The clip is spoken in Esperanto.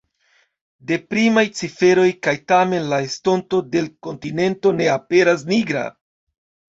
Deprimaj ciferoj, kaj tamen la estonto de l’ kontinento ne aperas nigra.